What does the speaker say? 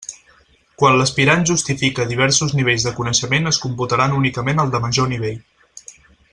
Quan l'aspirant justifique diversos nivells de coneixement es computaran únicament el de major nivell.